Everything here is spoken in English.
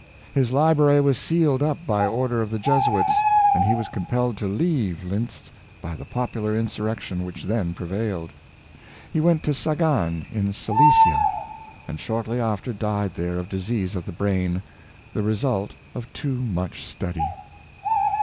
His library was sealed up by order of the Jesuits, and he was compelled to leave Lintz by the popular insurrection which then prevailed. He went to Sagan in Silesia, and shortly after died there of disease of the brain, the result of too much study.